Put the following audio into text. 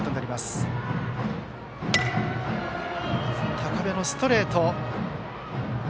高めのストレート。